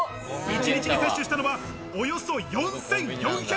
１日に摂取したのは、およそ４４００ｋｃａｌ。